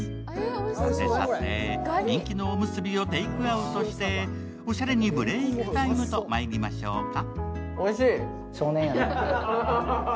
さてさて人気のおむすびをテイクアウトしてオシャレにブレークタイムとまいりましょうか。